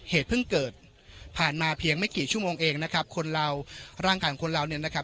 เหตุเพิ่งเกิดผ่านมาเพียงไม่กี่ชั่วโมงเองนะครับคนเราร่างกายของคนเราเนี่ยนะครับ